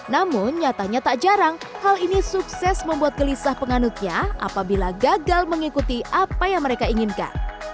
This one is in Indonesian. namun nyatanya tak jarang hal ini sukses membuat gelisah penganutnya apabila gagal mengikuti apa yang mereka inginkan